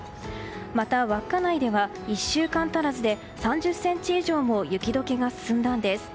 また稚内では１週間足らずで３０ｃｍ以上も雪解けが進んだんです。